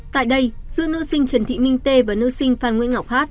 tại đây giữa nữ sinh trần thị minh tê và nữ sinh phan nguyễn ngọc hát